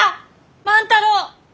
万太郎！